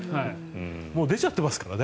もう出ちゃってますからね。